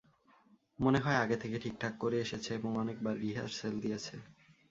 মনে হয় আগে থেকে ঠিকঠাক করে এসেছে এবং অনেক বার রিহার্সেল দিয়েছে।